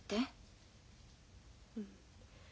うん。